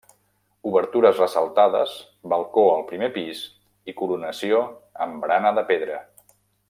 Obertures ressaltades, balcó al primer pis i coronació amb barana de pedra.